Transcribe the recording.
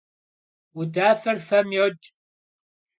Vudafer fem yoç'.